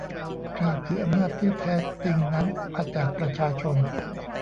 กล่าวคืออำนาจที่แท้จริงนั้นมาจากประชาชน